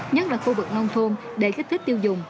nhất là khu vực nông thôn để kích thích tiêu dùng